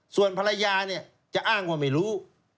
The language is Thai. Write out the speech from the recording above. ส่วนภรรยาจะอ้างว่าไม่รู้